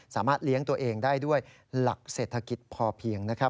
สามารถเลี้ยงตัวเองได้ด้วยหลักเศรษฐกิจพอเพียงนะครับ